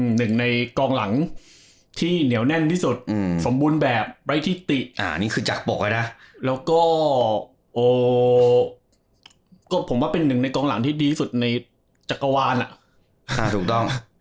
อื้อหนึ่งในกองหลังที่เหนียวแน่นที่สุดอื้อสมบูรณ์แบบรายที่ติอ่านี่คือจากปกไว้นะแล้วก็โอ้วก็ผมว่าเป็นหนึ่งในกองหลังที่ดีสุดในจักรวาลอ่ะอ่าถูกต้อง